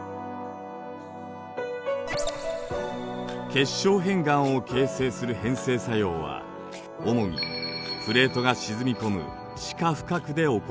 結晶片岩を形成する変成作用は主にプレートが沈み込む地下深くで起こります。